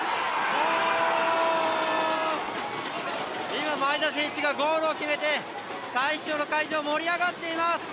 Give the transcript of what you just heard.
今、前田選手がゴールを決めて太子町の会場は盛り上がっています。